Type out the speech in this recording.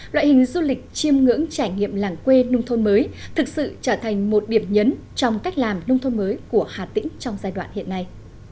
loại hình du lịch chiêm ngưỡng trải nghiệm làng quê nông thôn mới thực sự trở thành một điểm nhấn trong cách làm nông thôn mới của hà tĩnh trong giai đoạn hiện nay